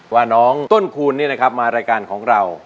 ว่าน้องต้นคูณนี่นะครับมารายการของเรา